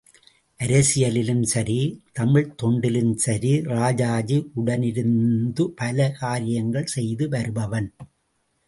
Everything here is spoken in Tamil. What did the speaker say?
அரசியலிலும் சரி தமிழ்த் தொண்டிலும் சரி ராஜாஜி உடன் இருந்து பல காரியங்கள் செய்து வருபவன்.